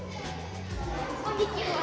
こんにちは！